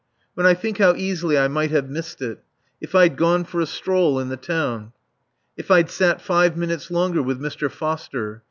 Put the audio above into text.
When I think how easily I might have missed it! If I'd gone for a stroll in the town. If I'd sat five minutes longer with Mr. Foster.